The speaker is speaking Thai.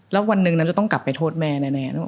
แล้ววันหนึ่งนั้นจะต้องกลับไปโทษแม่แน่